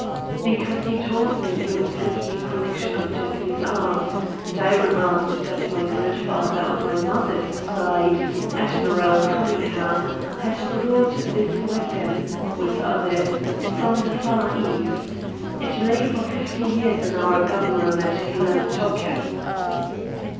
"Because he told me he was making a collection of Japanese arms, and I remarked that my grandfather on my mother's side, Admiral Cunningham, had brought this weapon, with others, from the Far East. It lay for fifty years in our gun room at Glen Tochan."